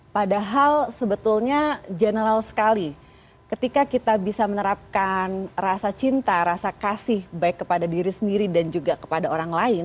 padahal sebetulnya general sekali ketika kita bisa menerapkan rasa cinta rasa kasih baik kepada diri sendiri dan juga kepada orang lain